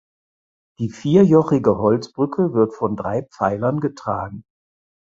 Die vierjochige Holzbrücke wird von drei Pfeilern getragen.